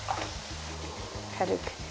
軽く。